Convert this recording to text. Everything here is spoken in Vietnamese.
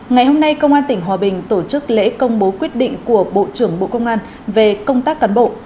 ngày hôm nay công an tỉnh hòa bình tổ chức lễ công bố quyết định của bộ trưởng bộ công an về công tác cán bộ